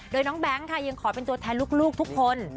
โดยน้องแบงค์ค่ะยังขอเป็นตัวแทนลูกทุกคน